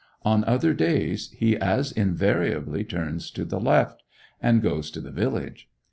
On other days, he as invariably turns to the left, and goes to the village.